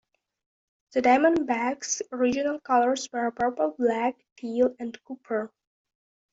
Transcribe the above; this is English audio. The Diamondbacks' original colors were purple, black, teal and copper.